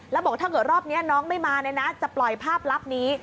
แล้วบอกถ้าเกิดรอบนี้น้องไม่มาเนี่ยนะจะปล่อยภาพลับนี้